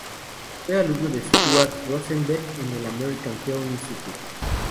Fue alumno de Stuart Rosenberg en el American Film Institute.